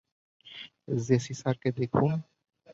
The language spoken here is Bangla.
জেসি স্যারকে দেখুন।